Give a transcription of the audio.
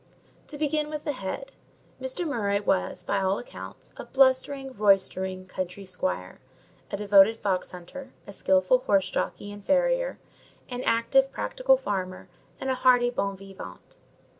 To begin with the head: Mr. Murray was, by all accounts, a blustering, roystering, country squire: a devoted fox hunter, a skilful horse jockey and farrier, an active, practical farmer, and a hearty bon vivant.